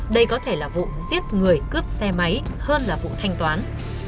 đây có thể là vụ giết người cướp xe máy hơn là vụ thanh toán